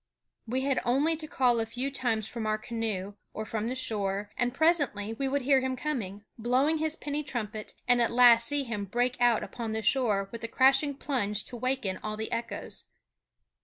We had only to call a few times from our canoe, or from the shore, and presently we would hear him coming, blowing his penny trumpet, and at last see him break out upon the shore with a crashing plunge to waken all the echoes.